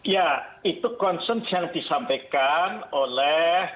ya itu concern yang disampaikan oleh